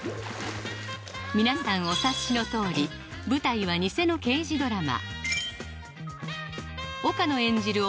皆さんお察しのとおり舞台はニセの岡野演じる